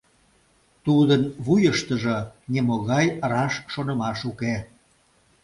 Тудын вуйыштыжо нимогай раш шонымаш уке.